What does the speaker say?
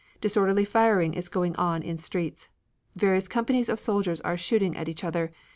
Disorderly firing is going on in streets. Various companies of soldiers are shooting at each other.